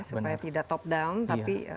supaya tidak top down tapi